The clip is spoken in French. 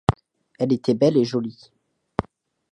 Elle était belle et jolie.